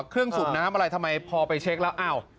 เครื่องสุ่มน้ำอะไรทำไมพอไปเช็คแล้วอ้าว